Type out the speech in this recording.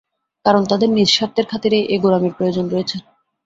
কারণ তাঁদের নিজ স্বার্থের খাতিরেই এ গোঁড়ামির প্রয়োজন রয়েছে।